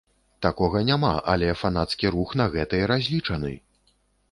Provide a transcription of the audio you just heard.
Такога няма, але фанацкі рух на гэта і разлічаны!